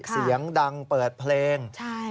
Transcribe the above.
เสียงดังเปิดเพลง